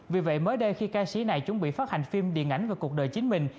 vì vậy mới đây khi ca sĩ này chuẩn bị phát hành phim điện ảnh về cuộc đời chính mình